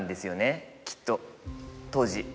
きっと当時。